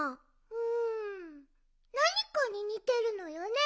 うんなにかににてるのよね。